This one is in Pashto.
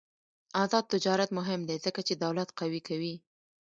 آزاد تجارت مهم دی ځکه چې دولت قوي کوي.